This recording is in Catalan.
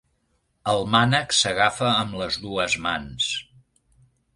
El mànec s'agafa amb les dues mans.